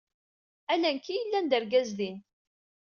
Ala nekk i yellan d argaz din.